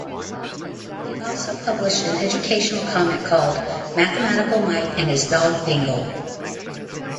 It also published an educational comic called Mathematical Mike and his Dog Dingle.